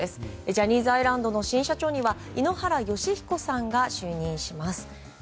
ジャニーズアイランドの新社長には井ノ原快彦さんが就任します。